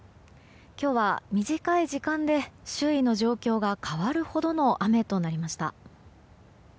今日は短い時間で周囲の状況が変わるほどの雨となりました。